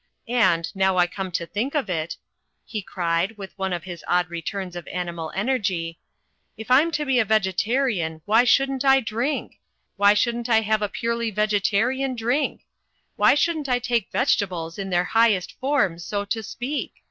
And, now I come to think of it," he cried, with one of his odd returns of animal energy, "if I'm to be a vegetarian why shouldn't I drink? Why shouldn't I have a purely vegetarian drink? Why shouldn't I take vegetables in their highest form, so to speak?